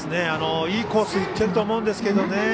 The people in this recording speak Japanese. いいコースに行っていると思うんですけどね。